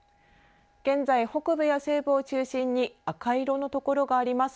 現在、北部や西部を中心に赤色の所があります。